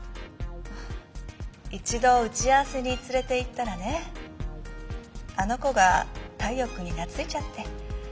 一度打ち合わせに連れていったらねあの子が太陽君に懐いちゃって。